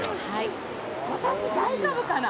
私、大丈夫かな？